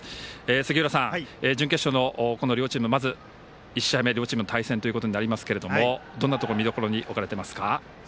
杉浦さん、準決勝の１試合目両チームの対戦となりますがどんなところ見どころに置かれていますか。